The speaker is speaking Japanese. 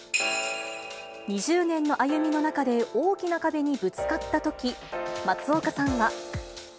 ２０年の歩みの中で、大きな壁にぶつかったとき、松岡さんは。